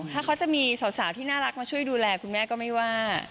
ถ้าเขาจะมีสาวที่น่ารักมาช่วยดูแลคุณแม่ก็ไม่ว่า